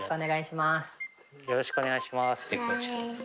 よろしくお願いします。